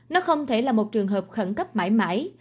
nó không thể là một trường hợp khẩn cấp mãi mãi